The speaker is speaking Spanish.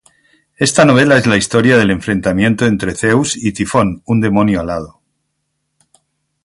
Esta novela es la historia del enfrentamiento entre Zeus y Tifón, un demonio alado.